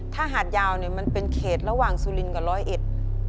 ถ้าหาดยาวเนี่ยมันเป็นเขตระหว่างสุรินกับร้อยเอ็ด